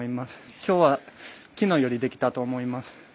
きょうはきのうよりできたと思います。